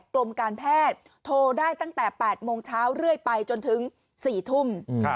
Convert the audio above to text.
กรมการแพทย์โทรได้ตั้งแต่๘โมงเช้าเรื่อยไปจนถึง๔ทุ่ม